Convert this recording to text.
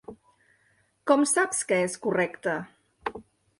Com saps que és correcte?